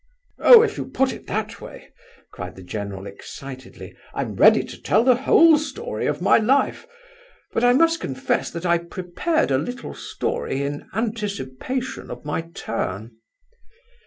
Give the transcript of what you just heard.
"Oh, if you put it in that way," cried the general, excitedly, "I'm ready to tell the whole story of my life, but I must confess that I prepared a little story in anticipation of my turn."